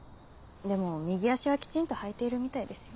でも右足はきちんと履いているみたいですよ。